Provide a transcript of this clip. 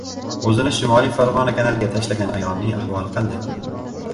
O‘zini Shimoliy Farg‘ona kanaliga tashlagan ayolning ahvoli qanday?